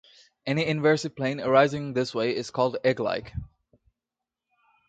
Any inversive plane arising this way is called "egglike".